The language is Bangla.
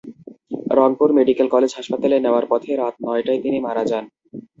রংপুর মেডিকেল কলেজ হাসপাতালে নেওয়ার পথে রাত নয়টায় তিনি মারা যান।